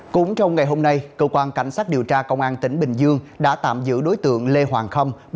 cũng trong ngày hôm nay cơ quan cảnh sát điều tra công an tỉnh bình dương đã tạm giữ đối tượng lê hoàng khâm